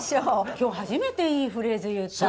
今日初めていいフレーズ言った。